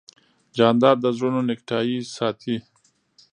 جانداد د زړونو نېکتایي ساتي.